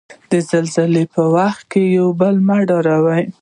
د زلزلې په وخت یو بل مه ډاروی.